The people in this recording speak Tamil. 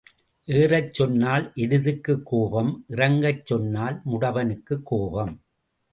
ஏறச் சொன்னால் எருதுக்குக் கோபம் இறங்கச் சொன்னால் முடவனுக்குக் கோபம்.